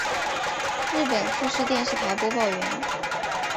日本富士电视台播报员。